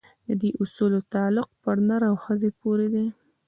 د دې اصول تعلق په نر او ښځې پورې دی.